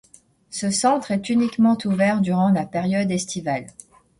Ce Centre est uniquement ouvert durant la période estivale.